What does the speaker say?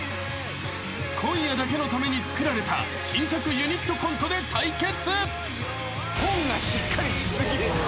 ［今夜だけのために作られた新作ユニットコントで対決］